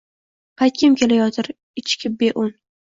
Qaytgim kelayotir ichikib, beun –